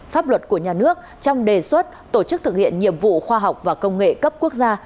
pháp luật của nhà nước trong đề xuất tổ chức thực hiện nhiệm vụ khoa học và công nghệ cấp quốc gia